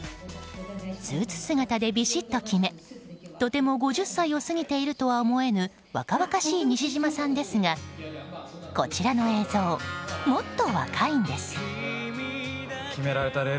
スーツ姿でびしっと決めとても５０歳を過ぎているとは思えぬ若々しい西島さんですがこちらの映像、もっと若いんです。